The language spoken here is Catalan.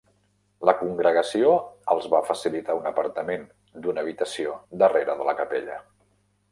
La congregació els va facilitar un apartament d'una habitació darrere de la capella.